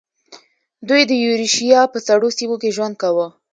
دوی د یوریشیا په سړو سیمو کې ژوند کاوه.